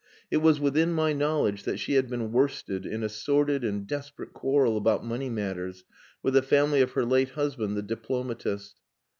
It was within my knowledge that she had been worsted in a sordid and desperate quarrel about money matters with the family of her late husband, the diplomatist.